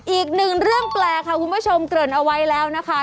อีกหนึ่งเรื่องแปลกค่ะคุณผู้ชมเกริ่นเอาไว้แล้วนะคะ